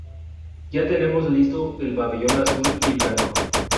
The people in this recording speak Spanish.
Ya tenemos listo el pabellón azul y blanco.